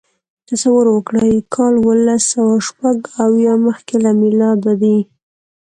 تصور وکړئ کال اوولسسوهشپږاویا مخکې له میلاده دی.